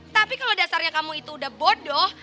tapi kalau dasarnya kamu itu udah bodoh